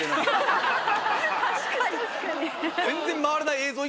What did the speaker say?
確かに。